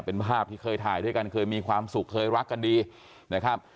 เป็นภาพที่เคยถ่ายด้วยกันเคยมีความสุขเคยรักกันดีนะครับ